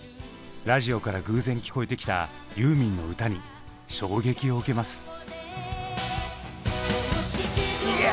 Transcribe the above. ラジオから偶然聞こえてきたユーミンの歌に衝撃を受けます。